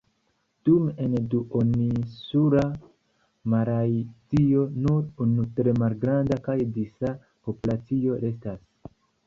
Dume en duoninsula Malajzio nur unu tre malgranda kaj disa populacio restas.